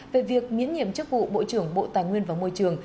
về việc miễn nhiệm chức vụ bộ trưởng bộ tài nguyên và môi trường